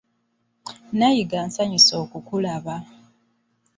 Nayiga nsanyuse okukulaba.